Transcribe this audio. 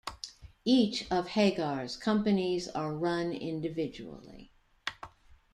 Each of Hagar's companies are run individually.